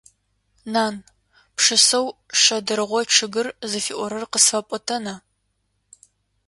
Нан! Пшысэу «Шэдыргъо чъыгыр» зыфиӀорэр къысфэпӀотэна?